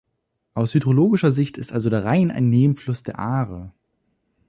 Aus hydrologischer Sicht ist also der Rhein ein Nebenfluss der Aare.